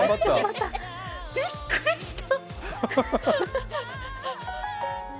びっくりした。